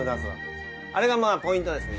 あれがまあポイントなんですね